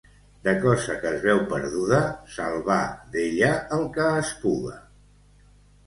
De cosa que es veu perduda, salvar d'ella el que es puga.